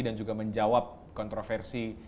dan juga menjawab kontroversi